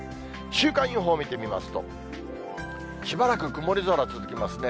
週間予報見てみますと、しばらく曇り空続きますね。